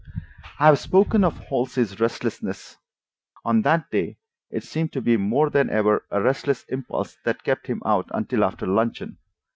I have spoken of Halsey's restlessness. On that day it seemed to be more than ever a resistless impulse that kept him out until after luncheon.